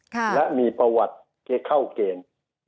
และมีประวัติจะเข้าเกณฑ์